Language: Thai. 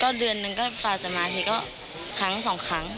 ก็เดือนหนึ่งก็ฝากจะมาทีก็ครั้งสองครั้ง